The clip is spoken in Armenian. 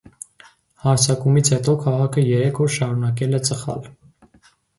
Հարձակումից հետո քաղաքը երեք օր շարունակել է ծխալ։